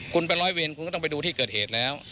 คุณเป็นร้อยเวรคุณก็ต้องไปดูที่เกิดเหตุแล้ว